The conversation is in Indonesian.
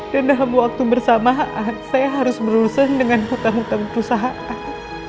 dan dalam waktu bersamaan saya harus berurusan dengan hutang hutang perusahaan